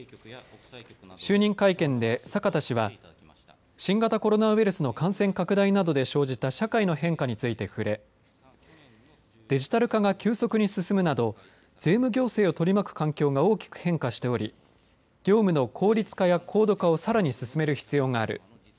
就任会見で阪田氏は新型コロナウイルスの感染拡大などで生じた社会の変化について触れデジタル化が急速に進むなど税務行政を取り巻く環境が大きく変化しており業務の効率化や高度化をさらに進める必要がある。